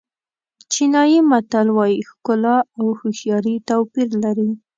چینایي متل وایي ښکلا او هوښیاري توپیر لري.